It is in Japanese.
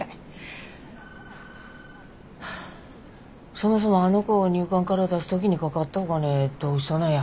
そもそもあの子を入管から出す時にかかったお金どうしたなや？